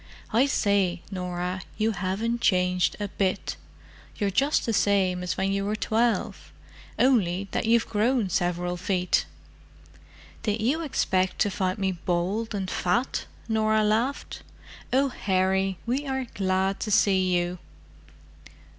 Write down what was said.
"I say, Norah, you haven't changed a bit. You're just the same as when you were twelve—only that you've grown several feet." "Did you expect to find me bald and fat?" Norah laughed. "Oh, Harry, we are glad to see you!"